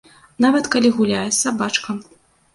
Нават, калі гуляе з сабачкам.